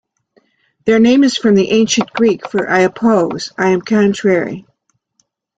Their name is from the ancient Greek for "I oppose; I am contrary".